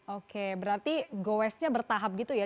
oke berarti goesnya bertahap gitu ya